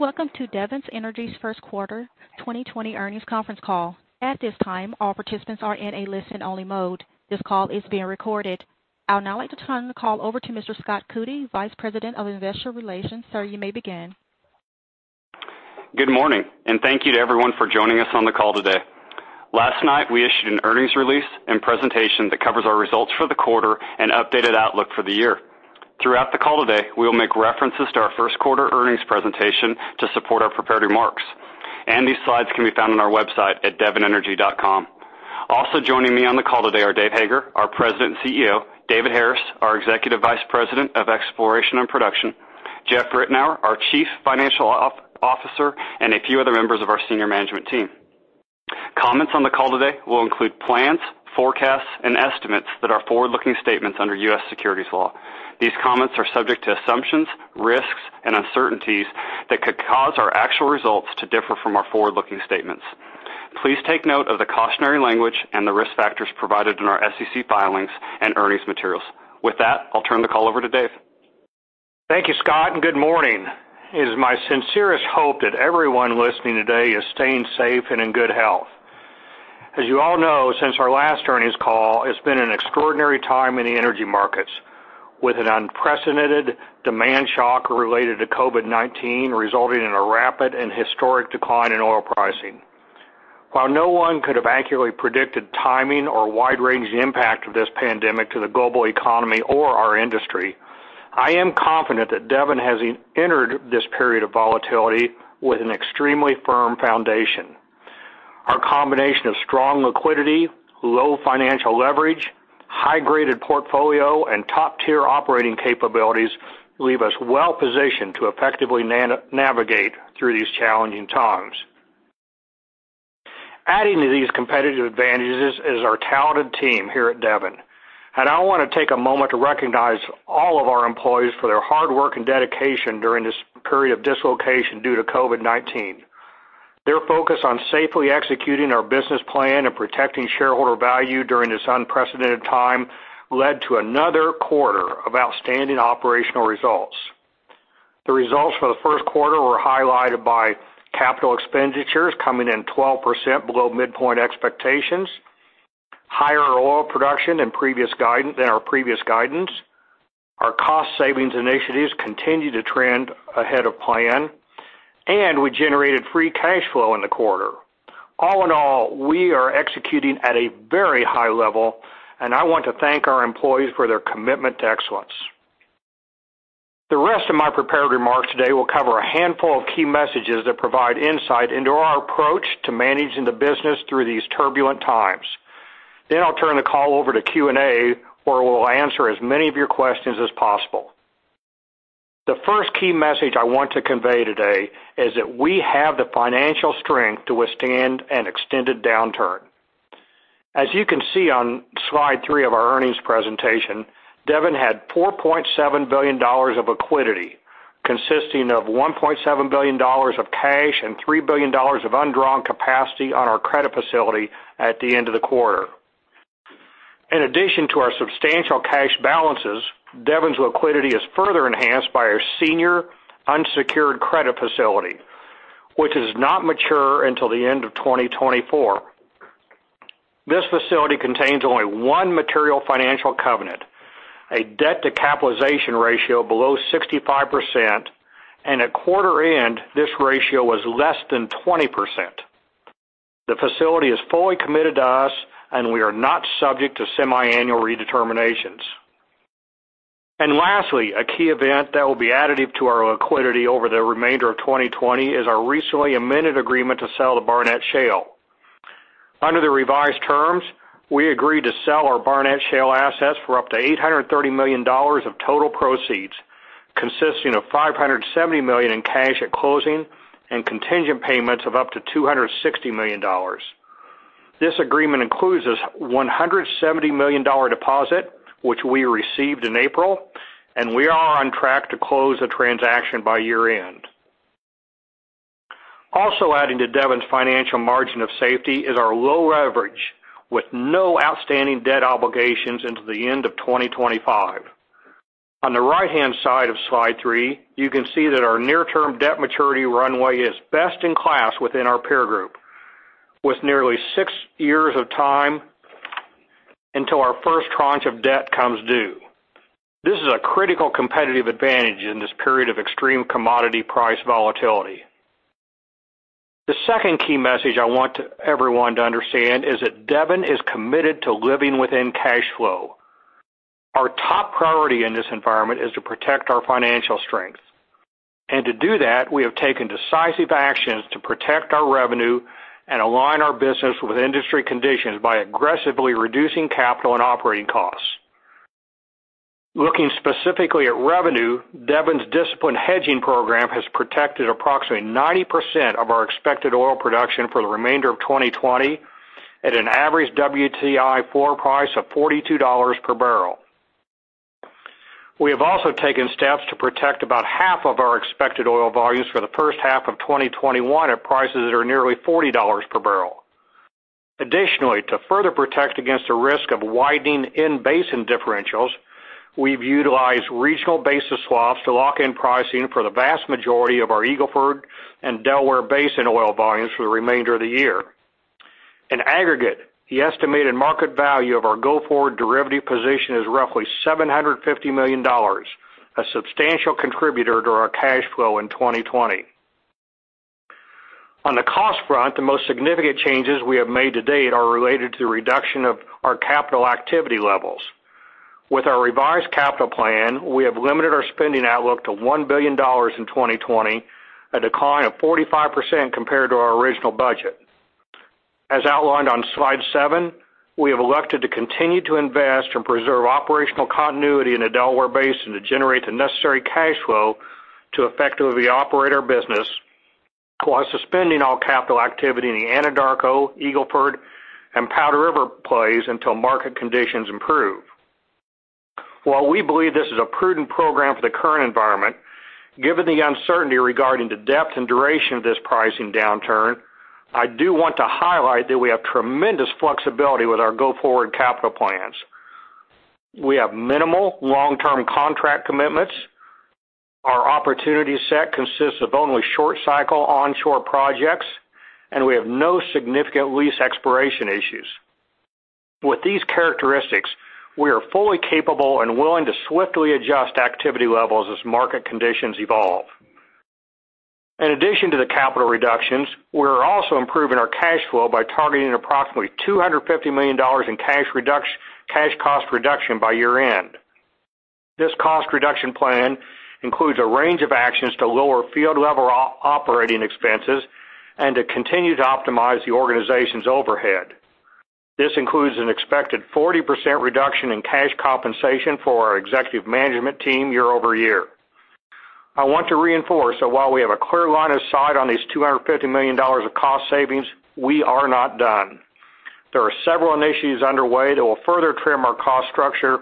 Welcome to Devon Energy's First Quarter 2020 Earnings Conference Call. At this time, all participants are in a listen-only mode. This call is being recorded. I would now like to turn the call over to Mr. Scott Coody, Vice President of Investor Relations. Sir, you may begin. Good morning. Thank you to everyone for joining us on the call today. Last night, we issued an earnings release and presentation that covers our results for the quarter and updated outlook for the year. Throughout the call today, we will make references to our first quarter earnings presentation to support our prepared remarks, and these slides can be found on our website at devonenergy.com. Also joining me on the call today are Dave Hager, our President and CEO, David Harris, our Executive Vice President of Exploration and Production, Jeff Ritenour, our Chief Financial Officer, and a few other members of our Senior Management team. Comments on the call today will include plans, forecasts, and estimates that are forward-looking statements under U.S. securities law. These comments are subject to assumptions, risks, and uncertainties that could cause our actual results to differ from our forward-looking statements. Please take note of the cautionary language and the risk factors provided in our SEC filings and earnings materials. With that, I'll turn the call over to Dave. Thank you, Scott, and good morning. It is my sincerest hope that everyone listening today is staying safe and in good health. As you all know, since our last earnings call, it's been an extraordinary time in the energy markets, with an unprecedented demand shock related to COVID-19 resulting in a rapid and historic decline in oil pricing. While no one could have accurately predicted timing or wide-ranging impact of this pandemic to the global economy or our industry, I am confident that Devon has entered this period of volatility with an extremely firm foundation. Our combination of strong liquidity, low financial leverage, high-graded portfolio, and top-tier operating capabilities leave us well positioned to effectively navigate through these challenging times. Adding to these competitive advantages is our talented team here at Devon, and I want to take a moment to recognize all of our employees for their hard work and dedication during this period of dislocation due to COVID-19. Their focus on safely executing our business plan and protecting shareholder value during this unprecedented time led to another quarter of outstanding operational results. The results for the first quarter were highlighted by capital expenditures coming in 12% below midpoint expectations, higher oil production than our previous guidance. Our cost savings initiatives continue to trend ahead of plan, and we generated free cash flow in the quarter. All in all, we are executing at a very high level, and I want to thank our employees for their commitment to excellence. The rest of my prepared remarks today will cover a handful of key messages that provide insight into our approach to managing the business through these turbulent times. I'll turn the call over to Q&A, where we'll answer as many of your questions as possible. The first key message I want to convey today is that we have the financial strength to withstand an extended downturn. As you can see on slide three of our earnings presentation, Devon had $4.7 billion of liquidity, consisting of $1.7 billion of cash and $3 billion of undrawn capacity on our credit facility at the end of the quarter. In addition to our substantial cash balances, Devon's liquidity is further enhanced by our senior unsecured credit facility, which does not mature until the end of 2024. This facility contains only one material financial covenant, a debt to capitalization ratio below 65%, and at quarter end, this ratio was less than 20%. The facility is fully committed to us, and we are not subject to semiannual redeterminations. Lastly, a key event that will be additive to our liquidity over the remainder of 2020 is our recently amended agreement to sell the Barnett Shale. Under the revised terms, we agreed to sell our Barnett Shale assets for up to $830 million of total proceeds, consisting of $570 million in cash at closing and contingent payments of up to $260 million. This agreement includes this $170 million deposit, which we received in April, and we are on track to close the transaction by year-end. Also adding to Devon's financial margin of safety is our low leverage, with no outstanding debt obligations into the end of 2025. On the right-hand side of slide three, you can see that our near-term debt maturity runway is best in class within our peer group, with nearly six years of time until our first tranche of debt comes due. This is a critical competitive advantage in this period of extreme commodity price volatility. The second key message I want everyone to understand is that Devon is committed to living within cash flow. Our top priority in this environment is to protect our financial strength. To do that, we have taken decisive actions to protect our revenue and align our business with industry conditions by aggressively reducing capital and operating costs. Looking specifically at revenue, Devon's disciplined hedging program has protected approximately 90% of our expected oil production for the remainder of 2020 at an average WTI forward price of $42 per barrel. We have also taken steps to protect about half of our expected oil volumes for the first half of 2021 at prices that are nearly $40 per barrel. Additionally, to further protect against the risk of widening in-basin differentials, we've utilized regional basis swaps to lock in pricing for the vast majority of our Eagle Ford and Delaware basin oil volumes for the remainder of the year. In aggregate, the estimated market value of our go-forward derivative position is roughly $750 million, a substantial contributor to our cash flow in 2020. On the cost front, the most significant changes we have made to date are related to the reduction of our capital activity levels. With our revised capital plan, we have limited our spending outlook to $1 billion in 2020, a decline of 45% compared to our original budget. As outlined on slide seven, we have elected to continue to invest and preserve operational continuity in the Delaware Basin to generate the necessary cash flow to effectively operate our business, while suspending all capital activity in the Anadarko, Eagle Ford, and Powder River plays until market conditions improve. While we believe this is a prudent program for the current environment, given the uncertainty regarding the depth and duration of this pricing downturn, I do want to highlight that we have tremendous flexibility with our go-forward capital plans. We have minimal long-term contract commitments. Our opportunity set consists of only short-cycle onshore projects, and we have no significant lease expiration issues. With these characteristics, we are fully capable and willing to swiftly adjust activity levels as market conditions evolve. In addition to the capital reductions, we're also improving our cash flow by targeting approximately $250 million in cash cost reduction by year-end. This cost reduction plan includes a range of actions to lower field-level operating expenses and to continue to optimize the organization's overhead. This includes an expected 40% reduction in cash compensation for our executive management team year-over-year. I want to reinforce that while we have a clear line of sight on these $250 million of cost savings, we are not done. There are several initiatives underway that will further trim our cost structure,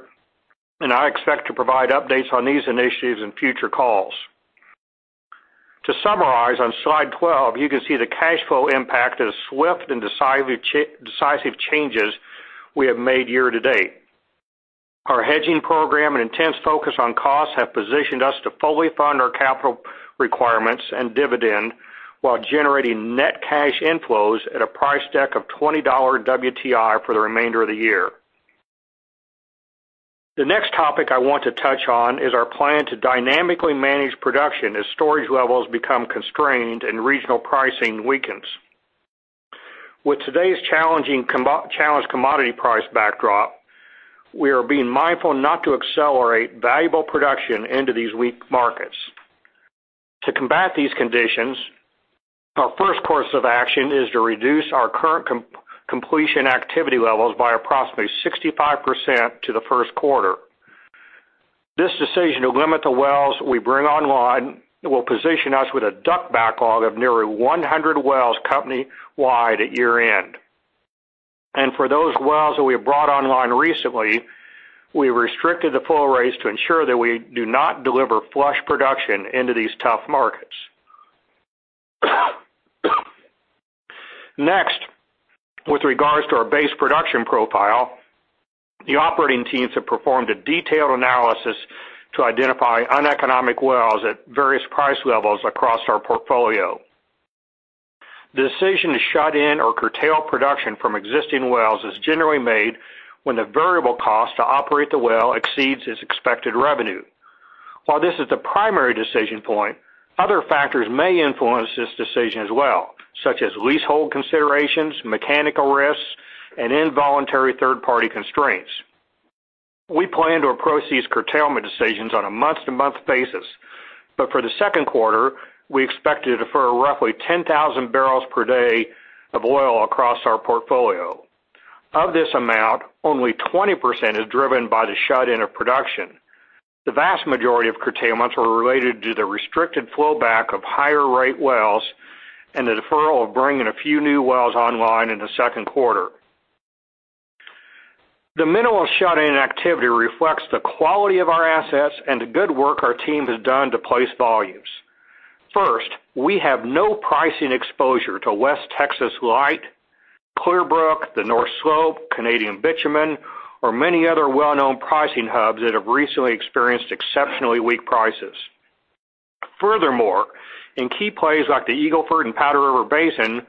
and I expect to provide updates on these initiatives in future calls. To summarize, on slide 12, you can see the cash flow impact of the swift and decisive changes we have made year to date. Our hedging program and intense focus on costs have positioned us to fully fund our capital requirements and dividend while generating net cash inflows at a price deck of $20 WTI for the remainder of the year. The next topic I want to touch on is our plan to dynamically manage production as storage levels become constrained and regional pricing weakens. With today's challenged commodity price backdrop, we are being mindful not to accelerate valuable production into these weak markets. To combat these conditions, our first course of action is to reduce our current completion activity levels by approximately 65% to the first quarter. This decision to limit the wells we bring online will position us with a DUC backlog of nearly 100 wells company-wide at year-end. For those wells that we have brought online recently, we restricted the flow rates to ensure that we do not deliver flush production into these tough markets. Next, with regards to our base production profile, the operating teams have performed a detailed analysis to identify uneconomic wells at various price levels across our portfolio. The decision to shut in or curtail production from existing wells is generally made when the variable cost to operate the well exceeds its expected revenue. While this is the primary decision point, other factors may influence this decision as well, such as leasehold considerations, mechanical risks, and involuntary third-party constraints. \We plan to approach these curtailment decisions on a month-to-month basis, but for the second quarter, we expect to defer roughly 10,000 bbl per day of oil across our portfolio. Of this amount, only 20% is driven by the shut-in of production. The vast majority of curtailments were related to the restricted flowback of higher-rate wells and the deferral of bringing a few new wells online in the second quarter. The minimal shut-in activity reflects the quality of our assets and the good work our team has done to place volumes. First, we have no pricing exposure to West Texas Light, Clearbrook, the North Slope, Canadian bitumen, or many other well-known pricing hubs that have recently experienced exceptionally weak prices. Furthermore, in key plays like the Eagle Ford and Powder River Basin,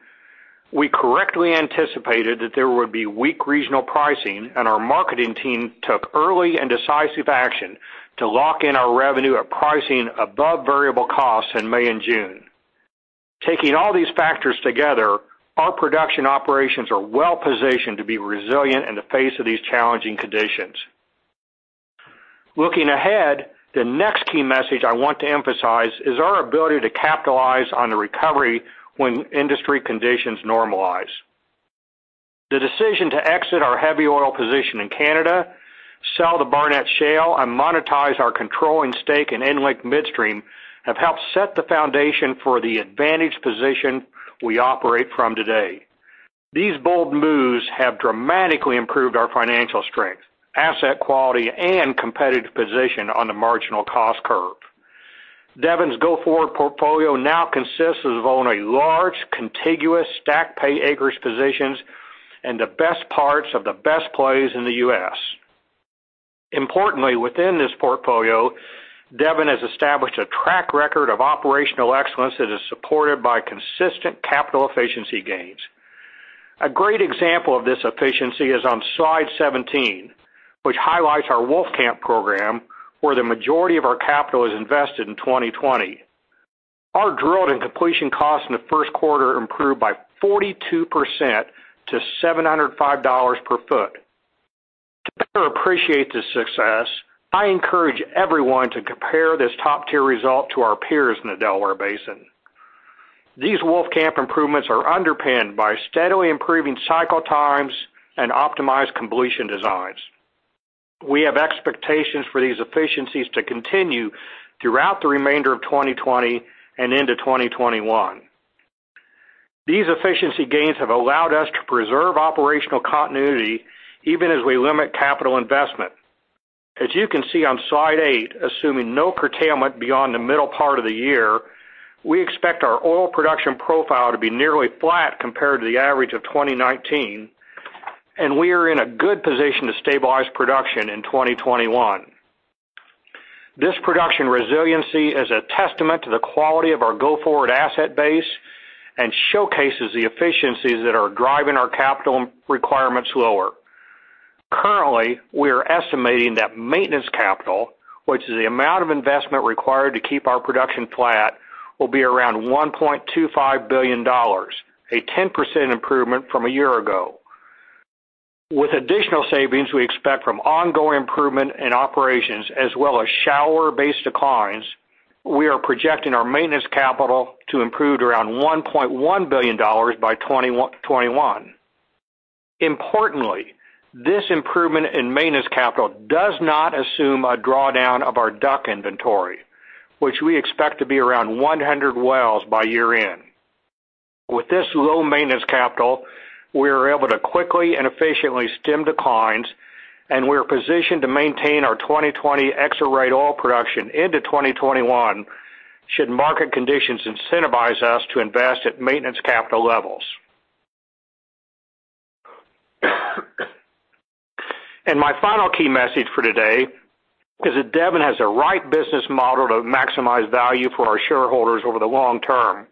we correctly anticipated that there would be weak regional pricing, and our marketing team took early and decisive action to lock in our revenue at pricing above variable costs in May and June. Taking all these factors together, our production operations are well-positioned to be resilient in the face of these challenging conditions. Looking ahead, the next key message I want to emphasize is our ability to capitalize on the recovery when industry conditions normalize. The decision to exit our heavy oil position in Canada, sell the Barnett Shale, and monetize our controlling stake in EnLink Midstream have helped set the foundation for the advantaged position we operate from today. These bold moves have dramatically improved our financial strength, asset quality, and competitive position on the marginal cost curve. Devon's go-forward portfolio now consists of owning large, contiguous stack pay acreage positions in the best parts of the best plays in the U.S. Importantly, within this portfolio, Devon has established a track record of operational excellence that is supported by consistent capital efficiency gains. A great example of this efficiency is on slide 17, which highlights our Wolfcamp program, where the majority of our capital is invested in 2020. Our drilled and completion costs in the first quarter improved by 42% to $705 per foot. To better appreciate this success, I encourage everyone to compare this top-tier result to our peers in the Delaware Basin. These Wolfcamp improvements are underpinned by steadily improving cycle times and optimized completion designs. We have expectations for these efficiencies to continue throughout the remainder of 2020 and into 2021. These efficiency gains have allowed us to preserve operational continuity even as we limit capital investment. As you can see on slide eight, assuming no curtailment beyond the middle part of the year, we expect our oil production profile to be nearly flat compared to the average of 2019, and we are in a good position to stabilize production in 2021. This production resiliency is a testament to the quality of our go-forward asset base and showcases the efficiencies that are driving our capital requirements lower. Currently, we are estimating that maintenance capital, which is the amount of investment required to keep our production flat, will be around $1.25 billion, a 10% improvement from a year ago. With additional savings we expect from ongoing improvement in operations as well as shallower-based declines, we are projecting our maintenance capital to improve to around $1.1 billion by 2021. Importantly, this improvement in maintenance capital does not assume a drawdown of our DUC inventory, which we expect to be around 100 wells by year-end. With this low maintenance capital, we are able to quickly and efficiently stem declines, and we are positioned to maintain our 2020 exit rate oil production into 2021, should market conditions incentivize us to invest at maintenance capital levels. My final key message for today is that Devon has the right business model to maximize value for our shareholders over the long term.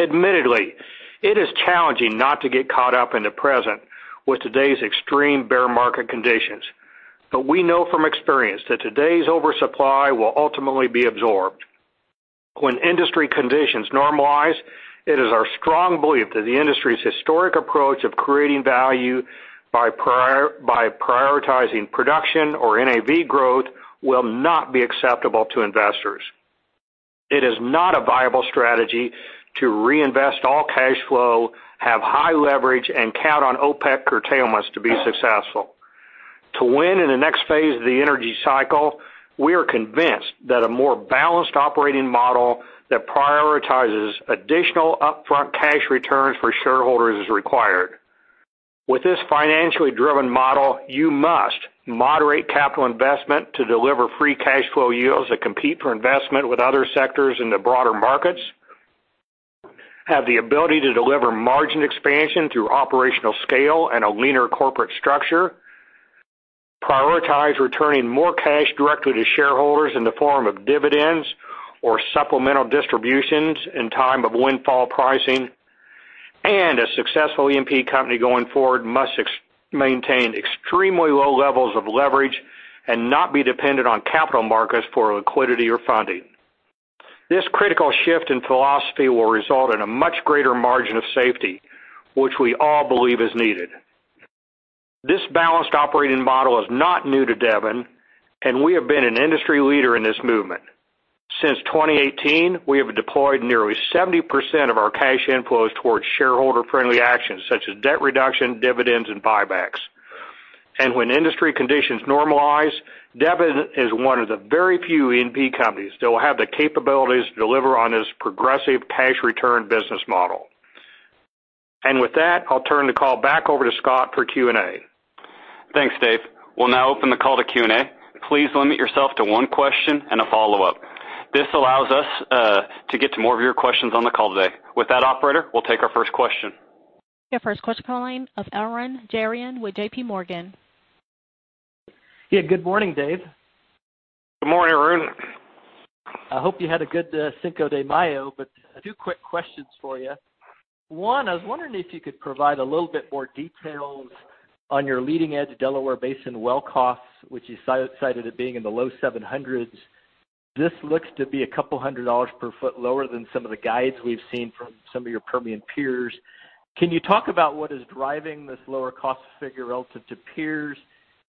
Admittedly, it is challenging not to get caught up in the present with today's extreme bear market conditions. We know from experience that today's oversupply will ultimately be absorbed. When industry conditions normalize, it is our strong belief that the industry's historic approach of creating value by prioritizing production or NAV growth will not be acceptable to investors. It is not a viable strategy to reinvest all cash flow, have high leverage, and count on OPEC curtailments to be successful. To win in the next phase of the energy cycle, we are convinced that a more balanced operating model that prioritizes additional upfront cash returns for shareholders is required. With this financially driven model, you must moderate capital investment to deliver free cash flow yields that compete for investment with other sectors in the broader markets, have the ability to deliver margin expansion through operational scale and a leaner corporate structure, prioritize returning more cash directly to shareholders in the form of dividends or supplemental distributions in time of windfall pricing, and a successful E&P company going forward must maintain extremely low levels of leverage and not be dependent on capital markets for liquidity or funding. This critical shift in philosophy will result in a much greater margin of safety, which we all believe is needed. This balanced operating model is not new to Devon, and we have been an industry leader in this movement. Since 2018, we have deployed nearly 70% of our cash inflows towards shareholder-friendly actions such as debt reduction, dividends, and buybacks. When industry conditions normalize, Devon is one of the very few E&P companies that will have the capabilities to deliver on this progressive cash return business model. With that, I'll turn the call back over to Scott for Q&A. Thanks, Dave. We'll now open the call to Q&A. Please limit yourself to one question and a follow-up. This allows us to get to more of your questions on the call today. With that Operator, we'll take our first question. Your first question coming of Arun Jayaram with JPMorgan. Yeah, good morning, Dave. Good morning, Arun. I hope you had a good Cinco de Mayo. A few quick questions for you. One, I was wondering if you could provide a little bit more details on your leading-edge Delaware Basin well costs, which you cited as being in the low $700s. This looks to be a couple hundred dollars per foot lower than some of the guides we've seen from some of your Permian peers. Can you talk about what is driving this lower cost figure relative to peers?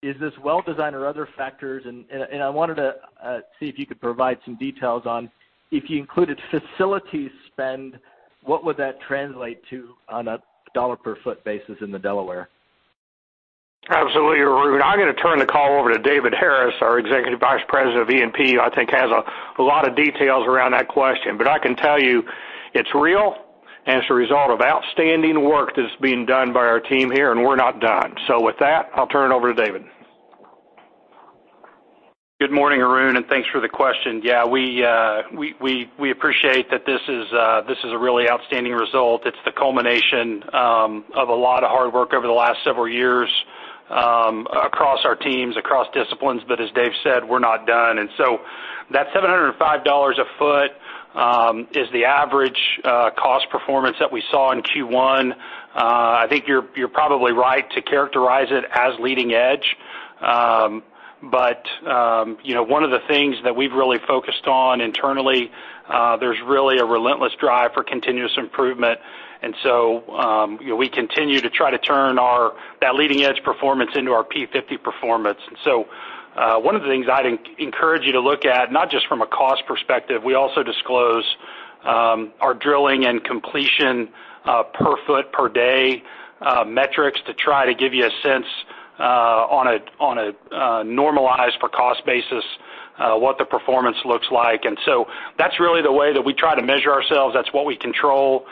Is this well design or other factors? I wanted to see if you could provide some details on, if you included facility spend, what would that translate to on a dollar-per-foot basis in the Delaware? Absolutely, Arun. I'm going to turn the call over to David Harris, our Executive Vice President of E&P, who I think has a lot of details around that question. I can tell you it's real. And it's a result of outstanding work that's being done by our team here, and we're not done. With that, I'll turn it over to David. Good morning, Arun, thanks for the question. Yeah, we appreciate that this is a really outstanding result. It's the culmination of a lot of hard work over the last several years across our teams, across disciplines. As Dave said, we're not done. That $705 a foot is the average cost performance that we saw in Q1. I think you're probably right to characterize it as leading edge. One of the things that we've really focused on internally, there's really a relentless drive for continuous improvement. We continue to try to turn that leading edge performance into our P50 performance. One of the things I'd encourage you to look at, not just from a cost perspective, we also disclose our drilling and completion per foot per day metrics to try to give you a sense on a normalized for cost basis, what the performance looks like. That's really the way that we try to measure ourselves. That's what we control.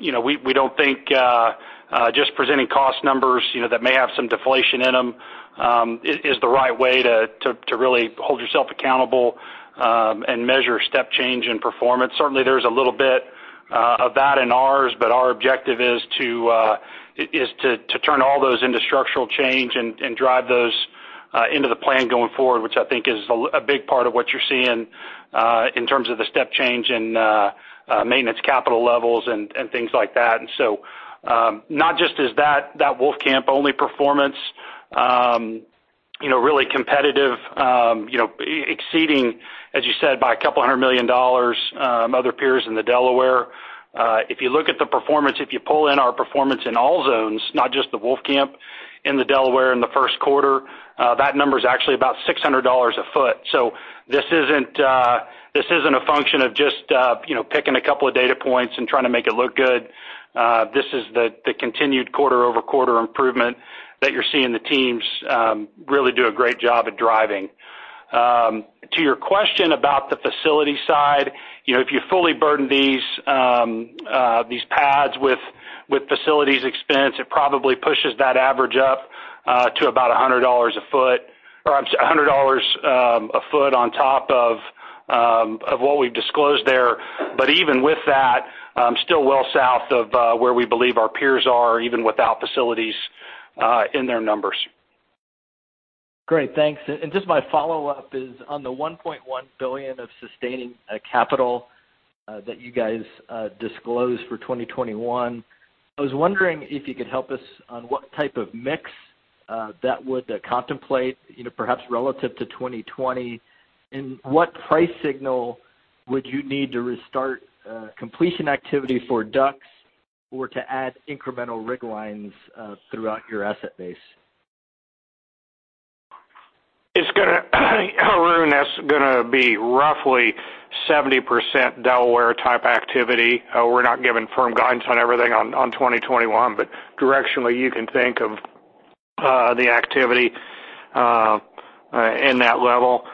We don't think just presenting cost numbers that may have some deflation in them is the right way to really hold yourself accountable, and measure step change in performance. Certainly, there's a little bit of that in ours, but our objective is to turn all those into structural change and drive those into the plan going forward, which I think is a big part of what you're seeing in terms of the step change in maintenance capital levels and things like that. Not just is that Wolfcamp only performance really competitive, exceeding, as you said, by a couple hundred dollars, other peers in the Delaware. If you look at the performance, if you pull in our performance in all zones, not just the Wolfcamp in the Delaware in the first quarter, that number's actually about $600 a foot. This isn't a function of just picking a couple of data points and trying to make it look good. This is the continued quarter-over-quarter improvement that you're seeing the teams really do a great job at driving. To your question about the facility side, if you fully burden these pads with facilities expense, it probably pushes that average up to about $100 a foot on top of what we've disclosed there. Even with that, still well south of where we believe our peers are, even without facilities in their numbers. Great, thanks. Just my follow-up is on the $1.1 billion of sustaining capital that you guys disclosed for 2021. I was wondering if you could help us on what type of mix that would contemplate, perhaps relative to 2020, and what price signal would you need to restart completion activity for DUCs or to add incremental rig lines throughout your asset base? Arun, that's going to be roughly 70% Delaware type activity. We're not giving firm guidance on everything on 2021. Directionally, you can think of the activity in that level.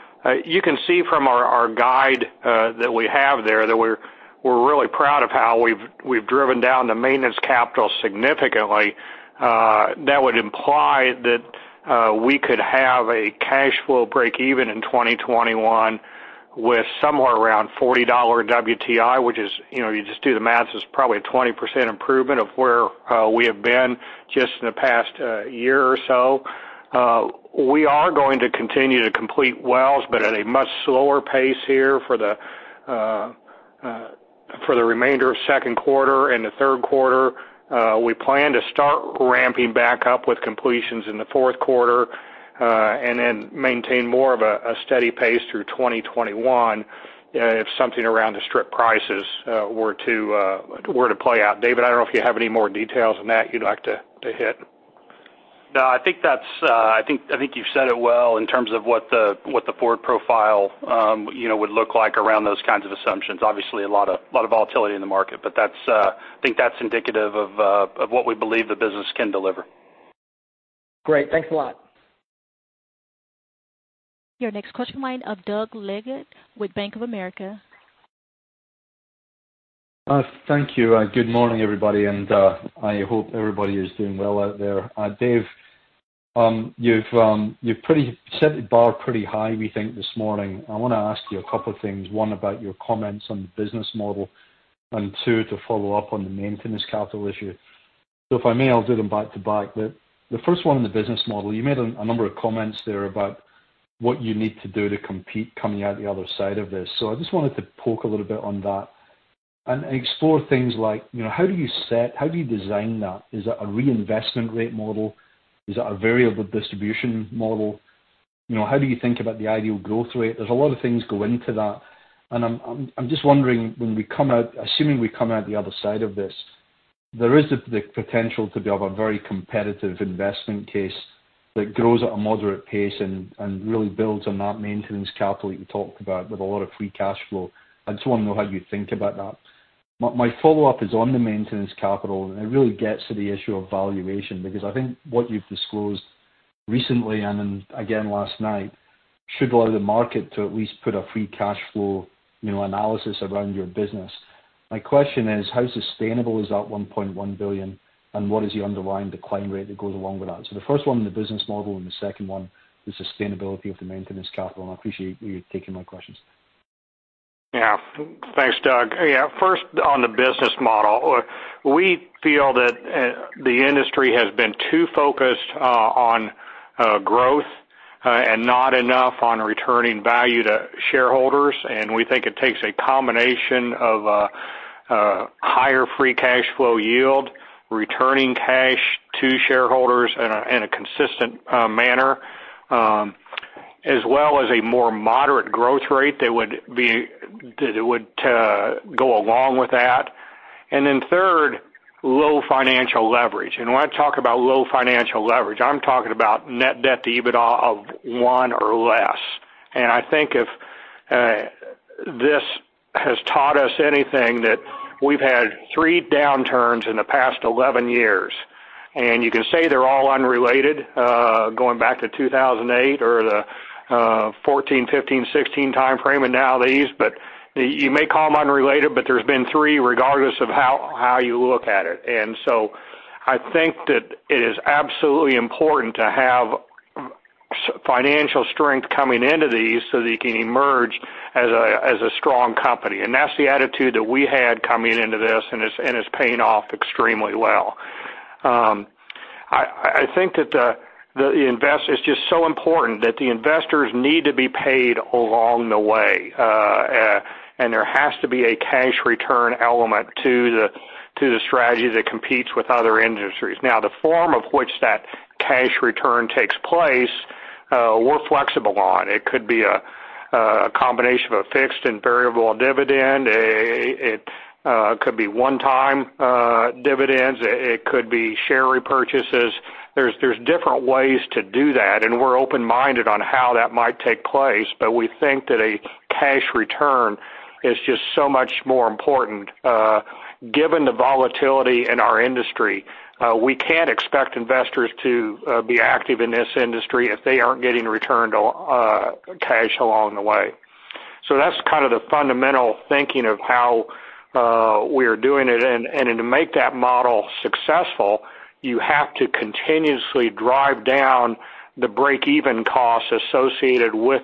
You can see from our guide that we have there, that we're really proud of how we've driven down the maintenance capital significantly. That would imply that we could have a cash flow break even in 2021 with somewhere around $40 WTI, which is, you just do the math, is probably a 20% improvement of where we have been just in the past year or so. We are going to continue to complete wells. At a much slower pace here for the remainder of second quarter and the third quarter. We plan to start ramping back up with completions in the fourth quarter, and then maintain more of a steady pace through 2021 if something around the strip prices were to play out. David, I don't know if you have any more details on that you'd like to hit. No, I think you've said it well in terms of what the forward profile would look like around those kinds of assumptions. Obviously, a lot of volatility in the market, but I think that's indicative of what we believe the business can deliver. Great. Thanks a lot. Your next question comes from the line of Doug Leggate with Bank of America. Thank you. Good morning, everybody, and I hope everybody is doing well out there. Dave, you've set the bar pretty high, we think, this morning. I want to ask you a couple of things. One, about your comments on the business model, and two, to follow up on the maintenance capital issue. If I may, I'll do them back to back. The first one on the business model, you made a number of comments there about what you need to do to compete coming out the other side of this. I just wanted to poke a little bit on that and explore things like, how do you set, how do you design that? Is that a reinvestment rate model? Is that a variable distribution model? How do you think about the ideal growth rate? There's a lot of things go into that, and I'm just wondering when we come out, assuming we come out the other side of this, there is the potential to build a very competitive investment case that grows at a moderate pace and really builds on that maintenance capital that you talked about with a lot of free cash flow. I just want to know how you think about that. My follow-up is on the maintenance capital, and it really gets to the issue of valuation, because I think what you've disclosed recently, and then again last night, should allow the market to at least put a free cash flow analysis around your business. My question is, how sustainable is that $1.1 billion, and what is the underlying decline rate that goes along with that? The first one on the business model, and the second one, the sustainability of the maintenance capital. I appreciate you taking my questions. Yeah. Thanks, Doug. First on the business model. We feel that the industry has been too focused on growth and not enough on returning value to shareholders. We think it takes a combination of a higher free cash flow yield, returning cash to shareholders in a consistent manner, as well as a more moderate growth rate that would go along with that. Third, low financial leverage. When I talk about low financial leverage, I'm talking about net debt to EBITDA of one or less. I think if this has taught us anything, that we've had three downturns in the past 11 years, and you can say they're all unrelated, going back to 2008 or the 2014, 2015, 2016 timeframe, and now these. You may call them unrelated, but there's been three, regardless of how you look at it. I think that it is absolutely important to have financial strength coming into these so that you can emerge as a strong company. That's the attitude that we had coming into this, and it's paying off extremely well. I think that it's just so important that the investors need to be paid along the way. There has to be a cash return element to the strategy that competes with other industries. Now, the form of which that cash return takes place, we're flexible on. It could be a combination of a fixed and variable dividend. It could be one-time dividends. It could be share repurchases. There's different ways to do that, and we're open-minded on how that might take place. We think that a cash return is just so much more important, given the volatility in our industry. We can't expect investors to be active in this industry if they aren't getting return on cash along the way. That's kind of the fundamental thinking of how we are doing it. To make that model successful, you have to continuously drive down the break-even cost associated with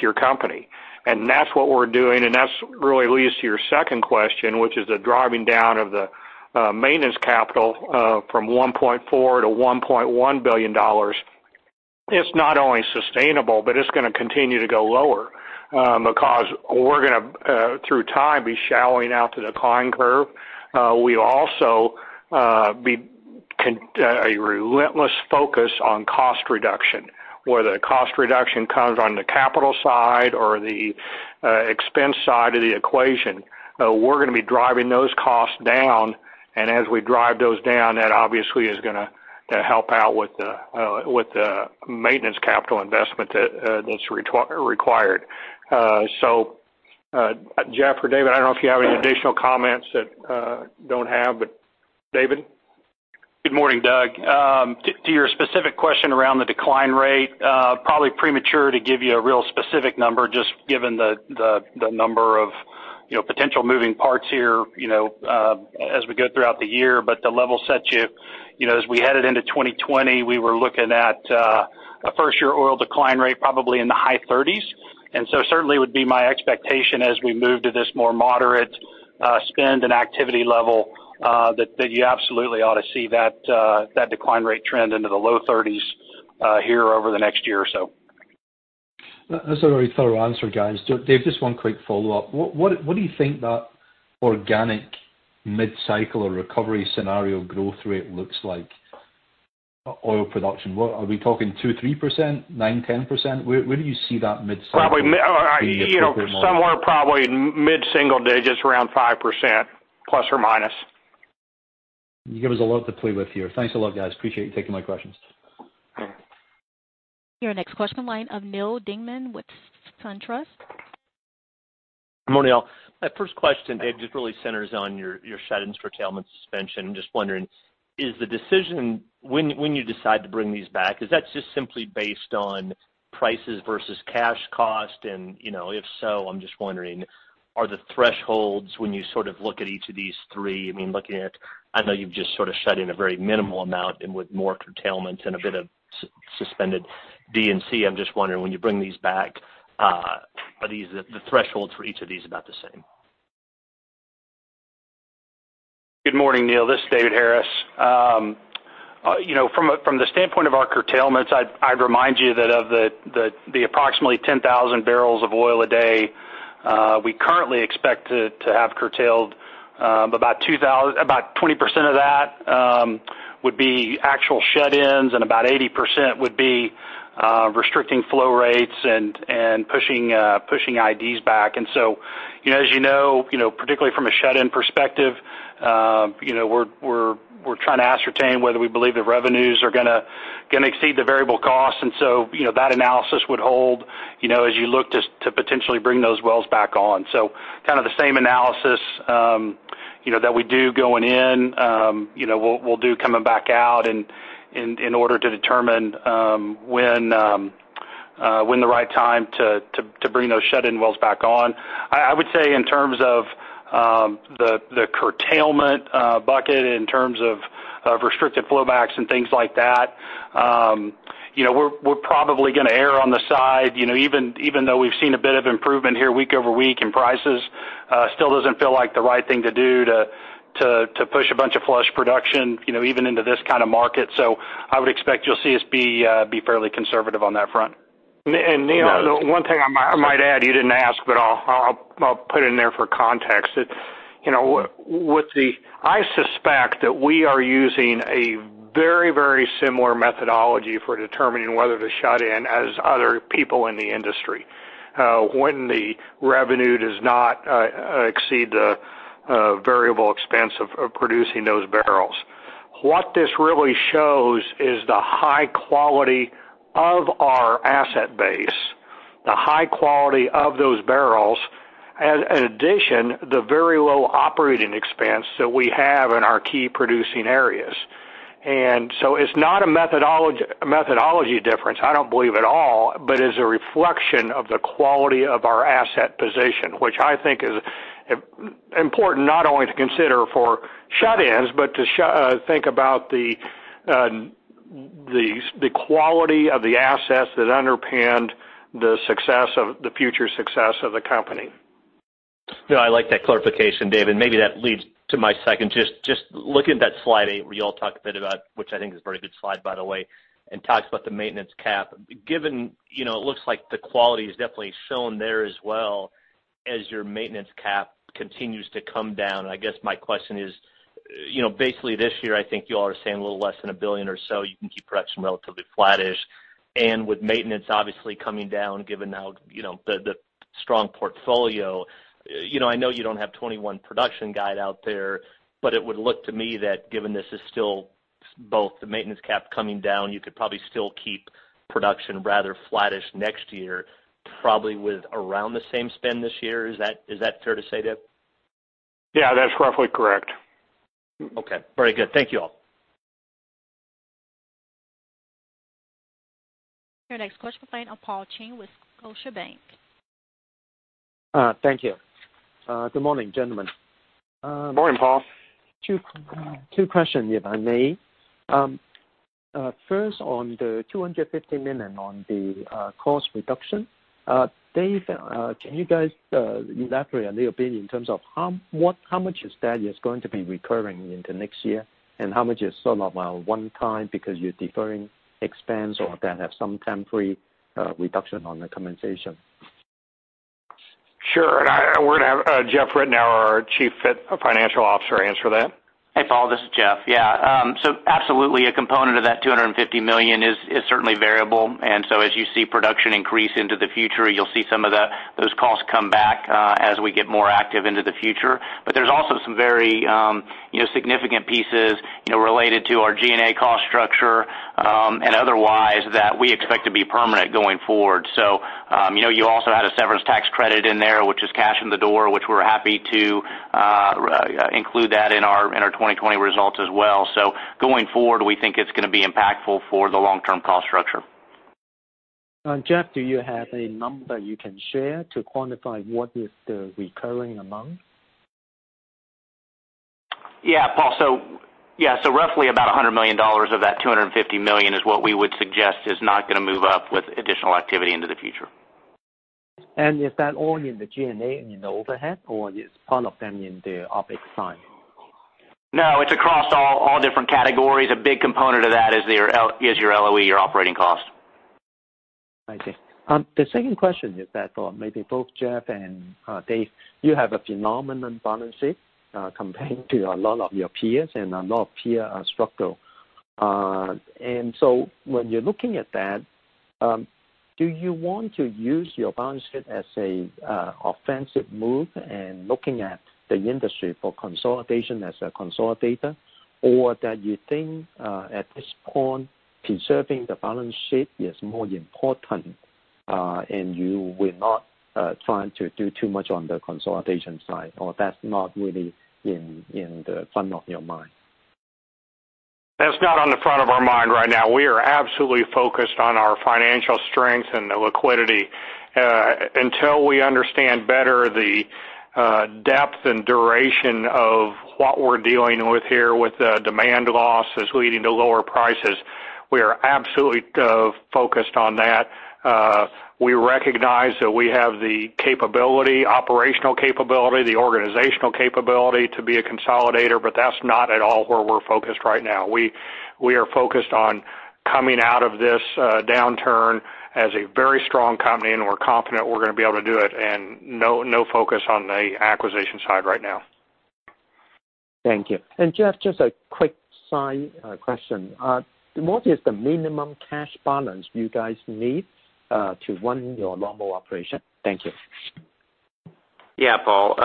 your company. That's what we're doing, and that really leads to your second question, which is the driving down of the maintenance capital from $1.4 billion to $1.1 billion. It's not only sustainable, but it's going to continue to go lower. We're going to, through time, be shallowing out the decline curve. We also be a relentless focus on cost reduction. Whether the cost reduction comes on the capital side or the expense side of the equation, we're going to be driving those costs down. As we drive those down, that obviously is going to help out with the maintenance capital investment that's required. Jeff or David, I don't know if you have any additional comments that I don't have, but David? Good morning, Doug. To your specific question around the decline rate, probably premature to give you a real specific number, just given the number of potential moving parts here as we go throughout the year. To level set you, as we headed into 2020, we were looking at a first-year oil decline rate, probably in the high 30s. Certainly would be my expectation as we move to this more moderate spend and activity level, that you absolutely ought to see that decline rate trend into the low 30s here over the next year or so. That's a very thorough answer, guys. Dave, just one quick follow-up. What do you think that organic mid-cycle or recovery scenario growth rate looks like? Oil production, are we talking 2%, 3%, 9%, 10%? Where do you see that mid-cycle be appropriate model? Somewhere probably mid-single digits, around 5%±. You give us a lot to play with here. Thanks a lot, guys. Appreciate you taking my questions. Okay. Your next question, line of Neal Dingmann with SunTrust. Morning, all. My first question, Dave, just really centers on your shut-ins for curtailment suspension. Just wondering, is the decision when you decide to bring these back, is that just simply based on prices versus cash cost? If so, I'm just wondering, are the thresholds when you sort of look at each of these three, looking at, I know you've just sort of shut in a very minimal amount and with more curtailment and a bit of suspended D and C. I'm just wondering, when you bring these back, are the thresholds for each of these about the same? Good morning, Neal. This is David Harris. From the standpoint of our curtailments, I'd remind you that of the approximately 10,000 bbl of oil a day we currently expect to have curtailed, about 20% of that would be actual shut-ins and about 80% would be restricting flow rates and pushing IDs back. As you know, particularly from a shut-in perspective, we're trying to ascertain whether we believe the revenues are going to exceed the variable costs. That analysis would hold as you look to potentially bring those wells back on. Kind of the same analysis that we do going in, we'll do coming back out in order to determine when the right time to bring those shut-in wells back on. I would say in terms of the curtailment bucket, in terms of restrictive flowbacks and things like that, we're probably going to err on the side, even though we've seen a bit of improvement here week-over-week in prices, still doesn't feel like the right thing to do to push a bunch of flush production, even into this kind of market. I would expect you'll see us be fairly conservative on that front. Neal, one thing I might add, you didn't ask, but I'll put it in there for context. I suspect that we are using a very similar methodology for determining whether to shut in as other people in the industry. When the revenue does not exceed the variable expense of producing those barrels. What this really shows is the high quality of our asset base, the high quality of those barrels, and in addition, the very low operating expense that we have in our key producing areas. It's not a methodology difference, I don't believe at all, but is a reflection of the quality of our asset position, which I think is important not only to consider for shut-ins, but to think about the quality of the assets that underpinned the future success of the company. Yeah, I like that clarification, Dave, and maybe that leads to my second. Just looking at that slide eight where you all talk a bit about, which I think is a very good slide, by the way, and talks about the maintenance cap. Given it looks like the quality is definitely shown there as well as your maintenance cap continues to come down. I guess my question is, basically this year, I think you all are saying a little less than $1 billion or so you can keep production relatively flattish. With maintenance obviously coming down, given now the strong portfolio. I know you don't have 2021 production guide out there, but it would look to me that given this is still both the maintenance cap coming down, you could probably still keep production rather flattish next year, probably with around the same spend this year. Is that fair to say, Dave? Yeah, that's roughly correct. Okay. Very good. Thank you all. Your next question comes from Paul Cheng with Scotiabank. Thank you. Good morning, gentlemen. Morning, Paul. Two questions, if I may. First, on the $250 million on the cost reduction. Dave, can you guys elaborate a little bit in terms of how much of that is going to be recurring into next year, and how much is one time because you're deferring expense or that have some temporary reduction on the compensation? Sure. We're going to have Jeff Ritenour, our Chief Financial Officer, answer that. Hey, Paul, this is Jeff. Yeah. Absolutely a component of that $250 million is certainly variable. As you see production increase into the future, you'll see some of those costs come back as we get more active into the future. There's also some very significant pieces related to our G&A cost structure, and otherwise that we expect to be permanent going forward. You also had a severance tax credit in there, which is cash in the door, which we're happy to include that in our 2020 results as well. Going forward, we think it's going to be impactful for the long-term cost structure. Jeff, do you have a number you can share to quantify what is the recurring amount? Yeah, Paul. Roughly about $100 million of that $250 million is what we would suggest is not going to move up with additional activity into the future. Is that all in the G&A and in the overhead, or is part of them in the OpEx side? No, it's across all different categories. A big component of that is your LOE, your operating cost. I see. The second question is that for maybe both Jeff and Dave. You have a phenomenal balance sheet, compared to a lot of your peers and a lot of peer structure. So when you're looking at that, do you want to use your balance sheet as a offensive move and looking at the industry for consolidation as a consolidator? Or that you think, at this point, conserving the balance sheet is more important, and you will not try to do too much on the consolidation side, or that's not really in the front of your mind? That's not on the front of our mind right now. We are absolutely focused on our financial strength and the liquidity. Until we understand better the depth and duration of what we're dealing with here with the demand losses leading to lower prices, we are absolutely focused on that. We recognize that we have the capability, operational capability, the organizational capability to be a consolidator, but that's not at all where we're focused right now. We are focused on coming out of this downturn as a very strong company, and we're confident we're going to be able to do it, and no focus on the acquisition side right now. Thank you. Jeff, just a quick side question. What is the minimum cash balance you guys need to run your normal operation? Thank you. Yeah, Paul.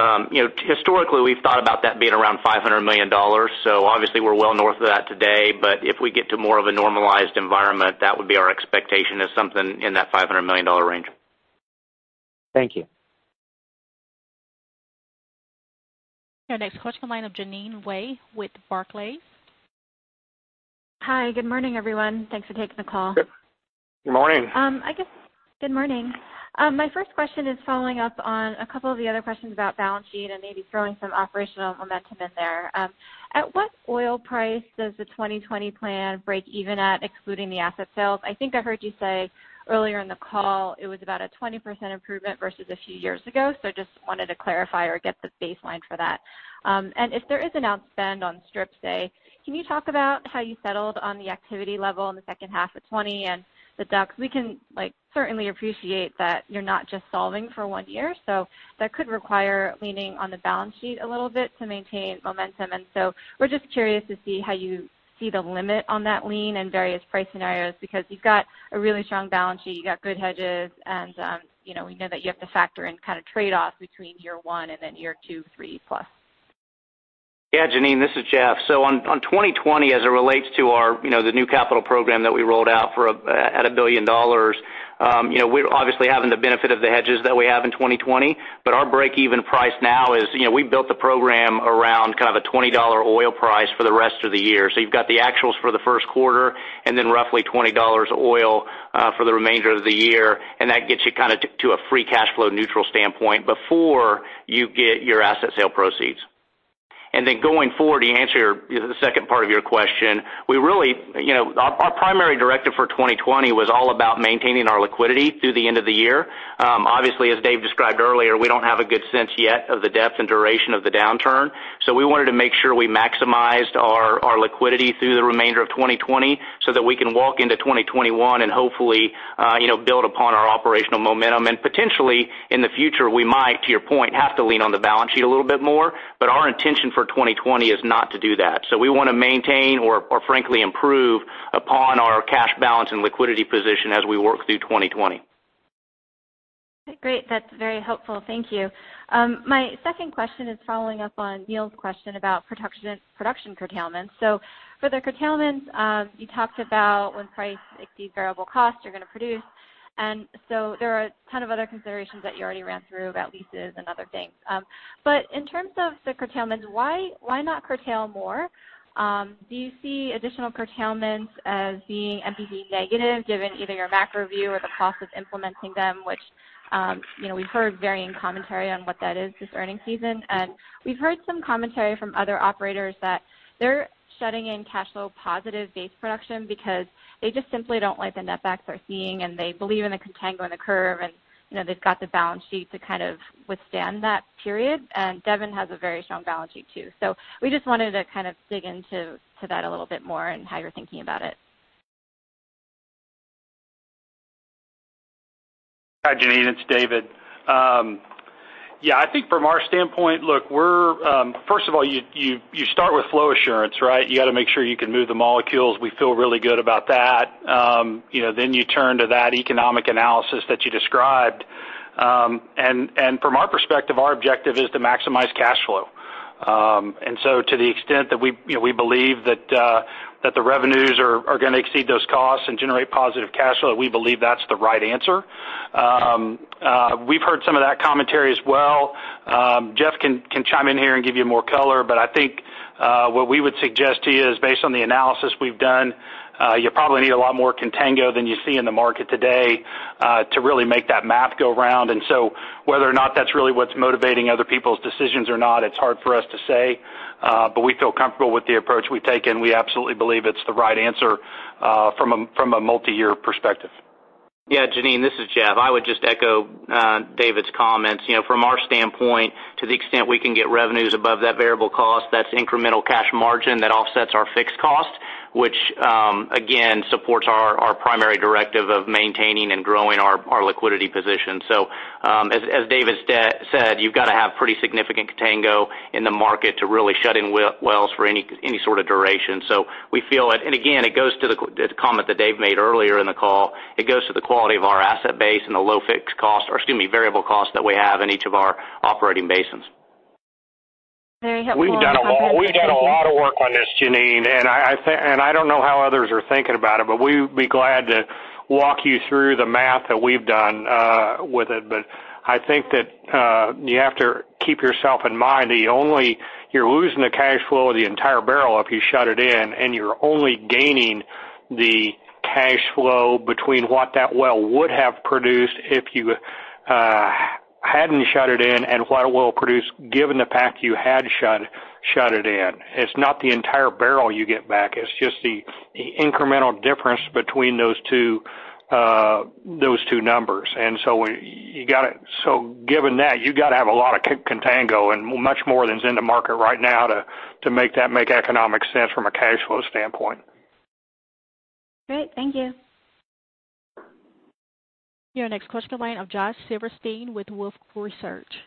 Historically, we've thought about that being around $500 million. Obviously we're well north of that today, but if we get to more of a normalized environment, that would be our expectation is something in that $500 million range. Thank you. Your next question, line of Jeanine Wai with Barclays. Hi. Good morning, everyone. Thanks for taking the call. Good morning. Good morning. My first question is following up on a couple of the other questions about balance sheet and maybe throwing some operational momentum in there. At what oil price does the 2020 plan break even at excluding the asset sales? I think I heard you say earlier in the call it was about a 20% improvement versus a few years ago. Just wanted to clarify or get the baseline for that. If there is an outspend on strip, say, can you talk about how you settled on the activity level in the second half of 2020 and the DUC? We can certainly appreciate that you're not just solving for one year, that could require leaning on the balance sheet a little bit to maintain momentum. We're just curious to see how you see the limit on that lean in various price scenarios, because you've got a really strong balance sheet, you've got good hedges, and we know that you have to factor in trade-offs between year one and then year two, three plus. Jeanine, this is Jeff. On 2020, as it relates to the new capital program that we rolled out at $1 billion, we're obviously having the benefit of the hedges that we have in 2020. Our break-even price now is, we built the program around a $20 oil price for the rest of the year. You've got the actuals for the first quarter and then roughly $20 oil for the remainder of the year. That gets you to a free cash flow neutral standpoint before you get your asset sale proceeds. Going forward, to answer the second part of your question, our primary directive for 2020 was all about maintaining our liquidity through the end of the year. As Dave described earlier, we don't have a good sense yet of the depth and duration of the downturn. We wanted to make sure we maximized our liquidity through the remainder of 2020 so that we can walk into 2021 and hopefully build upon our operational momentum. Potentially, in the future, we might, to your point, have to lean on the balance sheet a little bit more, but our intention for 2020 is not to do that. We want to maintain or frankly improve upon our cash balance and liquidity position as we work through 2020. Great. That's very helpful. Thank you. My second question is following up on Neal's question about production curtailment. For the curtailments, you talked about when price exceeds variable costs, you're going to produce. There are a ton of other considerations that you already ran through about leases and other things. In terms of the curtailments, why not curtail more? Do you see additional curtailments as being NPV negative, given either your macro view or the cost of implementing them, which we've heard varying commentary on what that is this earning season. We've heard some commentary from other operators that they're shutting in cash flow positive base production because they just simply don't like the netbacks they're seeing, and they believe in the contango in the curve, and they've got the balance sheet to withstand that period. Devon has a very strong balance sheet, too. We just wanted to dig into that a little bit more and how you're thinking about it. Hi, Jeanine, it's David. I think from our standpoint, first of all, you start with flow assurance, right? You got to make sure you can move the molecules. We feel really good about that. You turn to that economic analysis that you described. From our perspective, our objective is to maximize cash flow. To the extent that we believe that the revenues are going to exceed those costs and generate positive cash flow, we believe that's the right answer. We've heard some of that commentary as well. Jeff can chime in here and give you more color, but I think what we would suggest to you is based on the analysis we've done, you probably need a lot more contango than you see in the market today to really make that math go round. Whether or not that's really what's motivating other people's decisions or not, it's hard for us to say. We feel comfortable with the approach we've taken. We absolutely believe it's the right answer from a multi-year perspective. Yeah, Jeanine, this is Jeff. I would just echo David's comments. From our standpoint, to the extent we can get revenues above that variable cost, that's incremental cash margin that offsets our fixed cost, which again, supports our primary directive of maintaining and growing our liquidity position. As David said, you've got to have pretty significant contango in the market to really shut in wells for any sort of duration. Again, it goes to the comment that Dave made earlier in the call. It goes to the quality of our asset base and the low fixed cost, or excuse me, variable cost that we have in each of our operating basins. Very helpful. We've done a lot of work on this, Jeanine, and I don't know how others are thinking about it, but we would be glad to walk you through the math that we've done with it. I think that you have to keep yourself in mind that you're losing the cash flow of the entire barrel if you shut it in and you're only gaining the cash flow between what that well would have produced if you hadn't shut it in and what a well produced given the fact you had shut it in. It's not the entire barrel you get back. It's just the incremental difference between those two numbers. Given that, you got to have a lot of contango and much more than is in the market right now to make that make economic sense from a cash flow standpoint. Great. Thank you. Your next question, line of Josh Silverstein with Wolfe Research.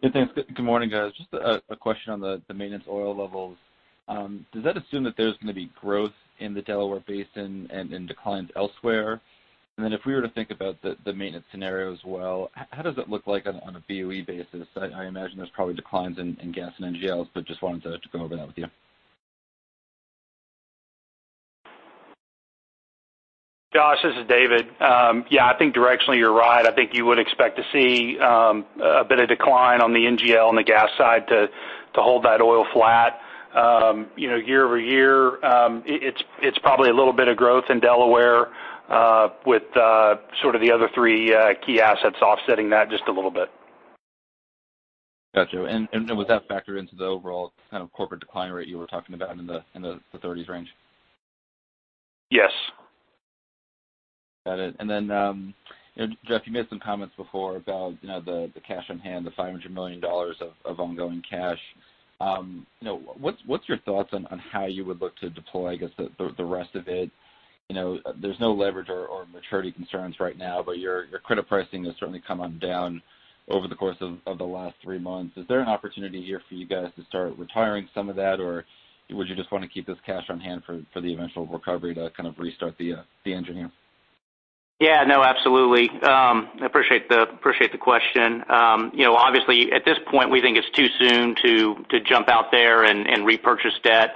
Good thanks. Good morning, guys. Just a question on the maintenance oil levels. Does that assume that there's going to be growth in the Delaware Basin and in declines elsewhere? If we were to think about the maintenance scenario as well, how does that look like on a BOE basis? I imagine there's probably declines in gas and NGLs, but just wanted to go over that with you. Josh, this is David. Yeah, I think directionally you're right. I think you would expect to see a bit of decline on the NGL and the gas side to hold that oil flat. Year-over-year, it's probably a little bit of growth in Delaware, with the other three key assets offsetting that just a little bit. Got you. Was that factored into the overall kind of corporate decline rate you were talking about in the 30s range? Yes. Got it. Jeff, you made some comments before about the cash on hand, the $500 million of ongoing cash. What's your thoughts on how you would look to deploy the rest of it? There's no leverage or maturity concerns right now, but your credit pricing has certainly come on down over the course of the last three months. Is there an opportunity here for you guys to start retiring some of that, or would you just want to keep this cash on hand for the eventual recovery to kind of restart the engine here? Yeah, no, absolutely. I appreciate the question. Obviously, at this point, we think it's too soon to jump out there and repurchase debt,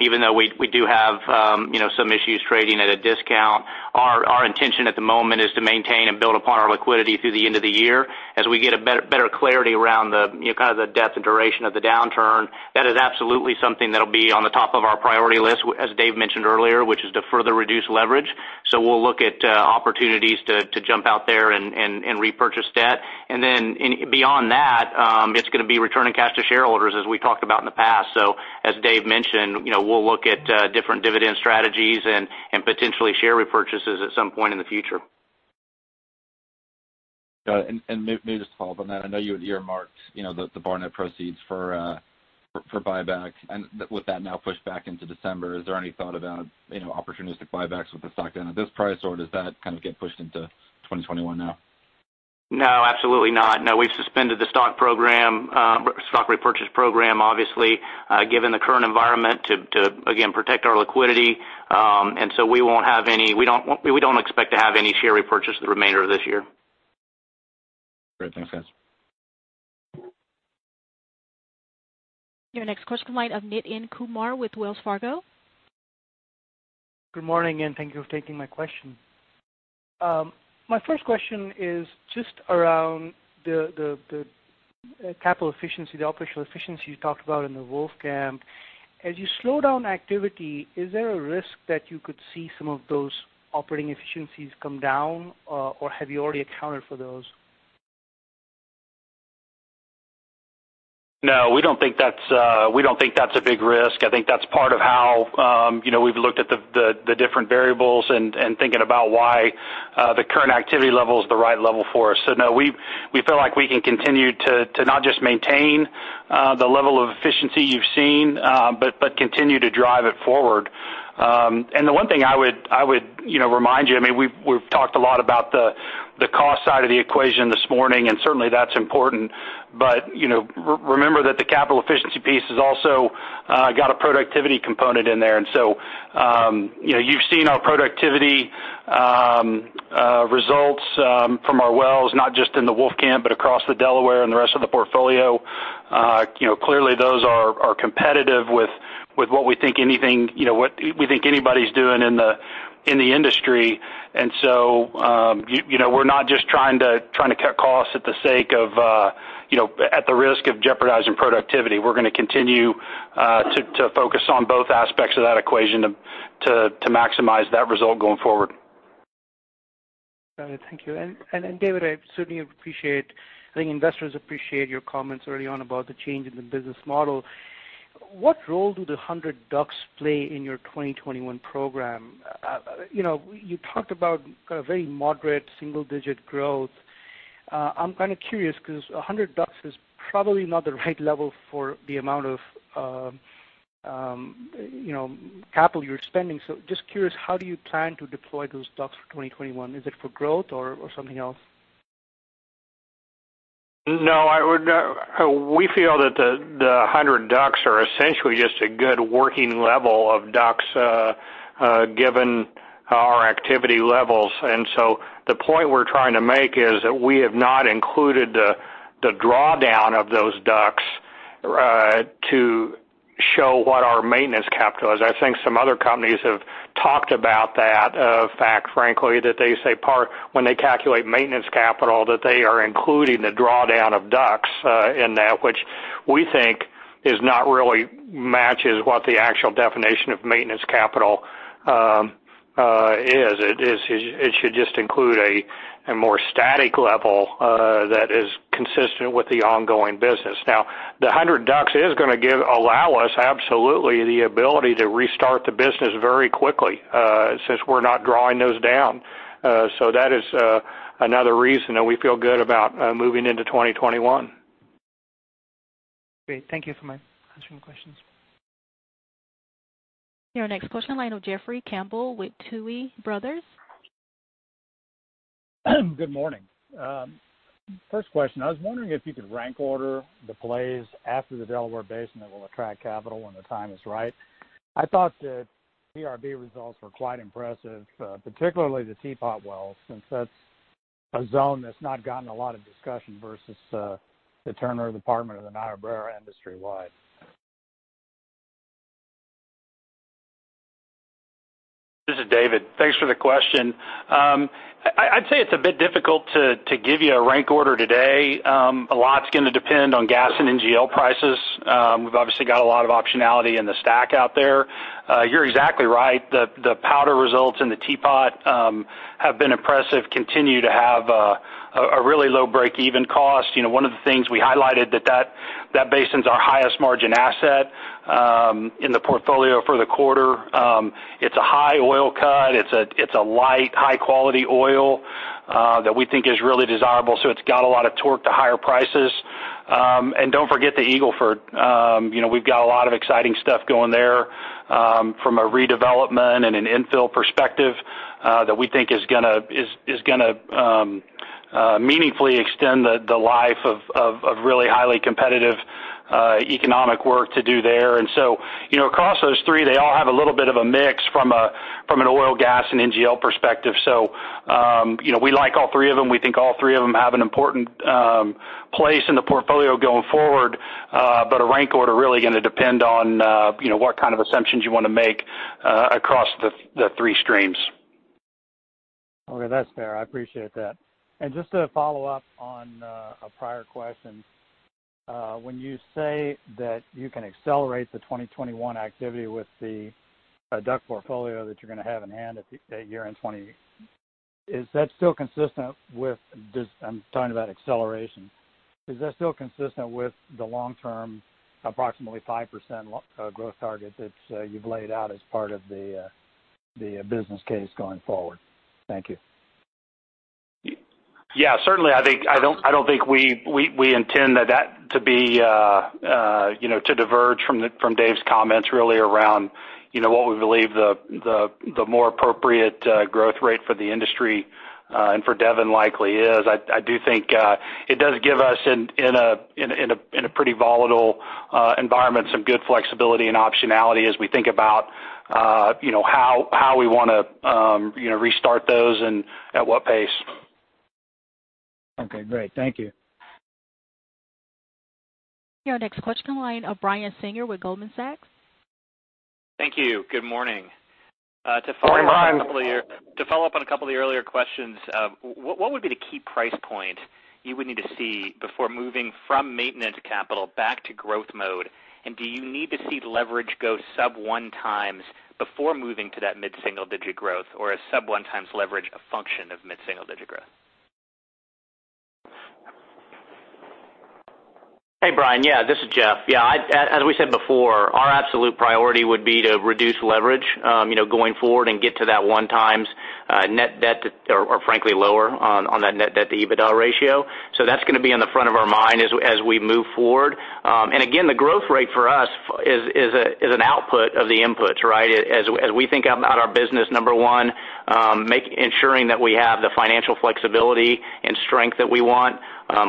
even though we do have some issues trading at a discount. Our intention at the moment is to maintain and build upon our liquidity through the end of the year. As we get a better clarity around the kind of the depth and duration of the downturn, that is absolutely something that'll be on the top of our priority list, as Dave mentioned earlier, which is to further reduce leverage. We'll look at opportunities to jump out there and repurchase debt. Beyond that, it's going to be returning cash to shareholders as we talked about in the past. As Dave mentioned, we'll look at different dividend strategies and potentially share repurchases at some point in the future. Got it. Maybe just to follow up on that, I know you earmarked the Barnett proceeds for buyback, and with that now pushed back into December, is there any thought about opportunistic buybacks with the stock down at this price, or does that kind of get pushed into 2021 now? Absolutely not. We've suspended the stock repurchase program, obviously, given the current environment to, again, protect our liquidity. We don't expect to have any share repurchase the remainder of this year. Great. Thanks, guys. Your next question comes from Nitin Kumar with Wells Fargo. Good morning, thank you for taking my question. My first question is just around the capital efficiency, the operational efficiency you talked about in the Wolfcamp. As you slow down activity, is there a risk that you could see some of those operating efficiencies come down, or have you already accounted for those? No, we don't think that's a big risk. I think that's part of how we've looked at the different variables and thinking about why the current activity level is the right level for us. No, we feel like we can continue to not just maintain the level of efficiency you've seen, but continue to drive it forward. The one thing I would remind you, we've talked a lot about the cost side of the equation this morning, and certainly that's important. Remember that the capital efficiency piece has also got a productivity component in there. You've seen our productivity results from our wells, not just in the Wolfcamp, but across the Delaware and the rest of the portfolio. Clearly those are competitive with what we think anybody's doing in the industry. We're not just trying to cut costs at the risk of jeopardizing productivity. We're going to continue to focus on both aspects of that equation to maximize that result going forward. Got it. Thank you. David, I certainly appreciate. I think investors appreciate your comments early on about the change in the business model. What role do the 100 DUCs play in your 2021 program? You talked about kind of very moderate single-digit growth. I'm kind of curious because 100 DUCs is probably not the right level for the amount of capital you're spending. Just curious, how do you plan to deploy those DUCs for 2021? Is it for growth or something else? No, we feel that the 100 DUCs are essentially just a good working level of DUCs, given our activity levels. The point we're trying to make is that we have not included the drawdown of those DUCs to show what our maintenance capital is. I think some other companies have talked about that fact, frankly, that they say when they calculate maintenance capital, that they are including the drawdown of DUCs in that, which we think is not really matches what the actual definition of maintenance capital is. It should just include a more static level that is consistent with the ongoing business. Now, the 100 DUCs is going to allow us absolutely the ability to restart the business very quickly, since we're not drawing those down. That is another reason that we feel good about moving into 2021. Great. Thank you for answering questions. Your next question line with Jeffrey Campbell with Tuohy Brothers. Good morning. First question, I was wondering if you could rank order the plays after the Delaware Basin that will attract capital when the time is right. I thought the PRB results were quite impressive, particularly the Teapot well, since that's a zone that's not gotten a lot of discussion versus the Turner formation or the Niobrara industry-wide. This is David. Thanks for the question. I'd say it's a bit difficult to give you a rank order today. A lot's going to depend on gas and NGL prices. We've obviously got a lot of optionality in the stack out there. You're exactly right. The Powder results and the Teapot have been impressive, continue to have a really low breakeven cost. One of the things we highlighted that basin's our highest margin asset in the portfolio for the quarter. It's a high oil cut. It's a light, high-quality oil that we think is really desirable, so it's got a lot of torque to higher prices. Don't forget the Eagle Ford. We've got a lot of exciting stuff going there from a redevelopment and an infill perspective that we think is going to meaningfully extend the life of really highly competitive economic work to do there. Across those three, they all have a little bit of a mix from an oil, gas, and NGL perspective. We like all three of them. We think all three of them have an important place in the portfolio going forward. A rank order really going to depend on what kind of assumptions you want to make across the three streams. Okay. That's fair. I appreciate that. Just to follow up on a prior question, when you say that you can accelerate the 2021 activity with the DUC portfolio that you're going to have in hand at year-end 2020, I'm talking about acceleration. Is that still consistent with the long term approximately 5% growth target that you've laid out as part of the business case going forward? Thank you. Yeah, certainly. I don't think we intend that to diverge from Dave's comments really around what we believe the more appropriate growth rate for the industry, and for Devon likely is. I do think it does give us in a pretty volatile environment, some good flexibility and optionality as we think about how we want to restart those and at what pace. Okay, great. Thank you. Your next question line, Brian Singer with Goldman Sachs. Thank you. Good morning. Good morning. To follow up on a couple of the earlier questions, what would be the key price point you would need to see before moving from maintenance capital back to growth mode? Do you need to see leverage go sub 1 time before moving to that mid-single-digit growth or is sub 1x leverage a function of mid-single-digit growth? Hey, Brian. Yeah, this is Jeff. As we said before, our absolute priority would be to reduce leverage going forward and get to that one times net debt or frankly lower on that net debt to EBITDA ratio. That's going to be in the front of our mind as we move forward. Again, the growth rate for us is an output of the inputs, right? As we think about our business, number one, ensuring that we have the financial flexibility and strength that we want.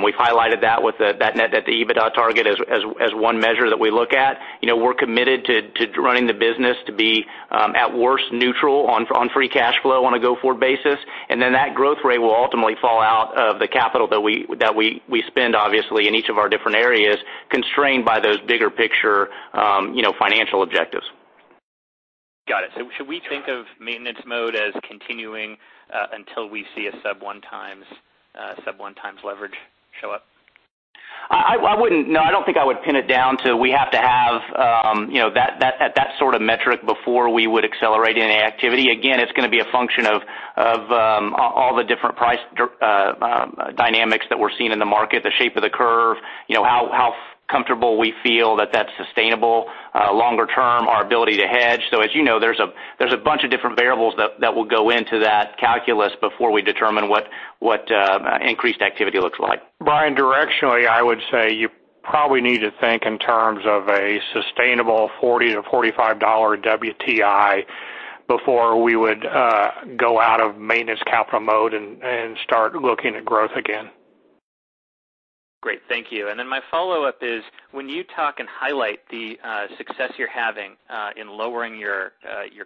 We've highlighted that with that net debt to EBITDA target as one measure that we look at. We're committed to running the business to be at worst neutral on free cash flow on a go-forward basis. That growth rate will ultimately fall out of the capital that we spend obviously in each of our different areas constrained by those bigger picture financial objectives. Got it. Should we think of maintenance mode as continuing until we see a sub one times leverage show up? No, I don't think I would pin it down to we have to have that sort of metric before we would accelerate any activity. It's going to be a function of all the different price dynamics that we're seeing in the market, the shape of the curve, how comfortable we feel that that's sustainable longer term, our ability to hedge. As you know, there's a bunch of different variables that will go into that calculus before we determine what increased activity looks like. Brian, directionally, I would say you probably need to think in terms of a sustainable $40-$45 WTI before we would go out of maintenance capital mode and start looking at growth again. Great. Thank you. My follow-up is, when you talk and highlight the success you're having in lowering your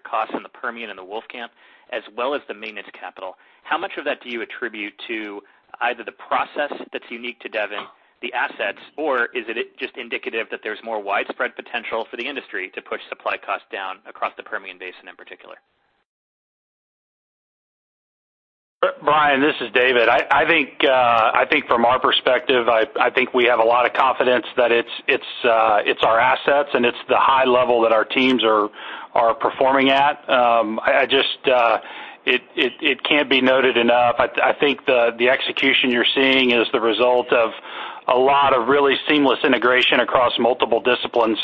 costs in the Permian and the Wolfcamp, as well as the maintenance capital, how much of that do you attribute to either the process that's unique to Devon, the assets, or is it just indicative that there's more widespread potential for the industry to push supply costs down across the Permian basin in particular? Brian, this is David. I think from our perspective, I think we have a lot of confidence that it's our assets, and it's the high level that our teams are performing at. It can't be noted enough. I think the execution you're seeing is the result of a lot of really seamless integration across multiple disciplines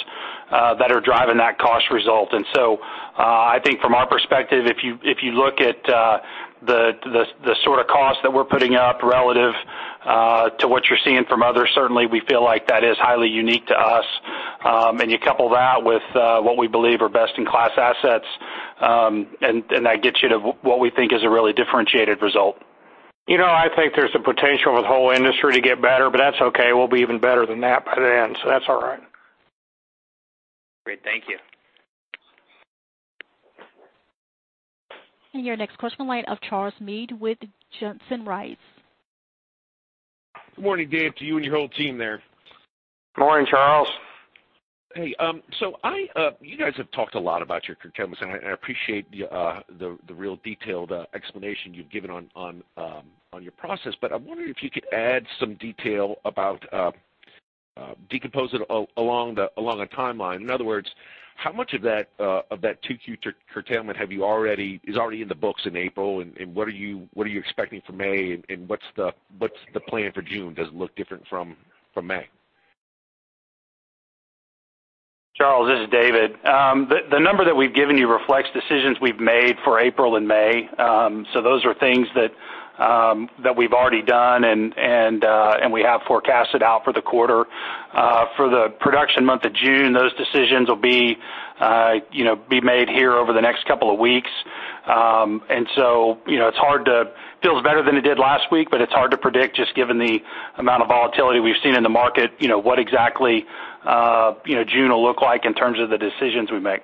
that are driving that cost result. I think from our perspective, if you look at the sort of cost that we're putting up relative to what you're seeing from others, certainly we feel like that is highly unique to us. You couple that with what we believe are best-in-class assets, and that gets you to what we think is a really differentiated result. Yeah, I think there's the potential for the whole industry to get better, but that's okay. We'll be even better than that by then, so that's all right. Great. Thank you. Your next question, line of Charles Meade with Johnson Rice. Good morning, Dave, to you and your whole team there. Good morning, Charles. Hey, you guys have talked a lot about your curtailments, and I appreciate the real detailed explanation you've given on your process. I'm wondering if you could add some detail about decomposing along a timeline. In other words, how much of that 2Q curtailment is already in the books in April, and what are you expecting for May, and what's the plan for June? Does it look different from May? Charles, this is David. The number that we've given you reflects decisions we've made for April and May. Those are things that we've already done, and we have forecasted out for the quarter. For the production month of June, those decisions will be made here over the next couple of weeks. It feels better than it did last week, but it's hard to predict, just given the amount of volatility we've seen in the market, what exactly June will look like in terms of the decisions we make.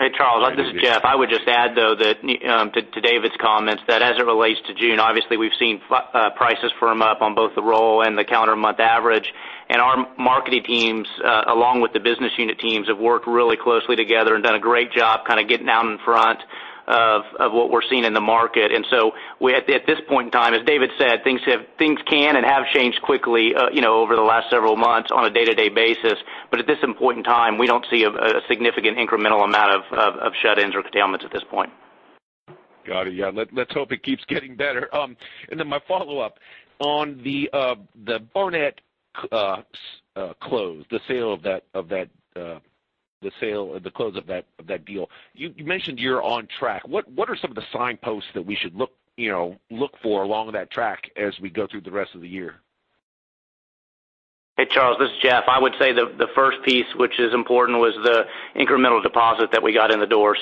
Hey, Charles, this is Jeff. I would just add, though, to David's comments, that as it relates to June, obviously we've seen prices firm up on both the roll and the calendar month average. Our marketing teams, along with the business unit teams, have worked really closely together and done a great job kind of getting out in front of what we're seeing in the market. At this point in time, as David said, things can and have changed quickly over the last several months on a day-to-day basis. At this important time, we don't see a significant incremental amount of shut-ins or curtailments at this point. Got it. Yeah. Let's hope it keeps getting better. My follow-up on the Barnett close, the sale of that deal. You mentioned you're on track. What are some of the signposts that we should look for along that track as we go through the rest of the year? Hey, Charles, this is Jeff. I would say the first piece, which is important, was the incremental deposit that we got in the door.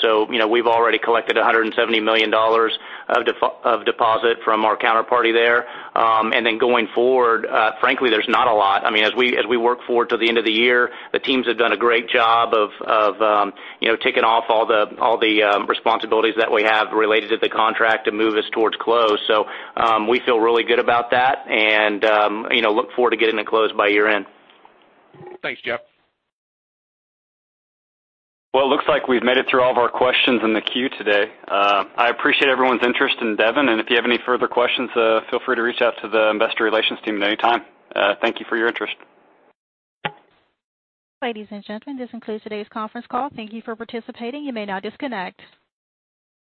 We've already collected $170 million of deposit from our counterparty there. Then going forward, frankly, there's not a lot. As we work forward to the end of the year, the teams have done a great job of ticking off all the responsibilities that we have related to the contract to move us towards close. We feel really good about that and look forward to getting it closed by year-end. Thanks, Jeff. Well, it looks like we've made it through all of our questions in the queue today. I appreciate everyone's interest in Devon, and if you have any further questions, feel free to reach out to the investor relations team at any time. Thank you for your interest. Ladies and gentlemen, this concludes today's conference call. Thank you for participating. You may now disconnect.